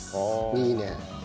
いいねえ。